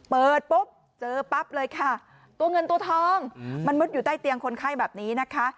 เปิดปุ๊บเจอปั๊บเลยค่ะตัวเงินตัวทองมันมุดอยู่ใต้เตียงคนไข้แบบนี้นะคะ